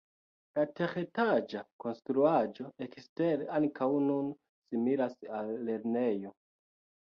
La teretaĝa konstruaĵo ekstere ankaŭ nun similas al lernejo.